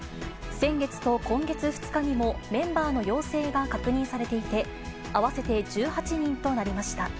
先月と今月２日にもメンバーの陽性が確認されていて、合わせて１８人となりました。